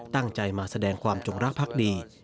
ตั้งใจมาแสดงความจงรักภักดี